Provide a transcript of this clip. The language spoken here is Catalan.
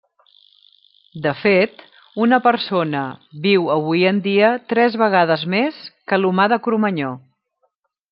De fet, una persona viu avui en dia tres vegades més que l'humà de Cromanyó.